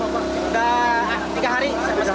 sudah tiga hari